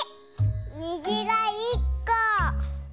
にじが１こ！